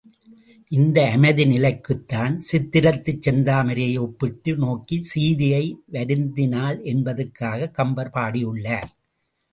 இந்த அமைதி நிலைக்குத்தான் சித்திரத்துச் செந்தாமரையை ஒப்பிட்டு நோக்கிச் சீதை வருந்தினாள் என்பதாகக் கம்பர் பாடியுள்ளார்.